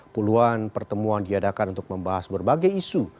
puluhan pertemuan diadakan untuk membahas berbagai isu